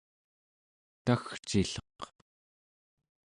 tagcilleq